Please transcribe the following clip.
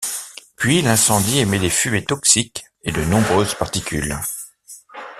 Puis l'incendie émet des fumées toxiques et de nombreuses particules.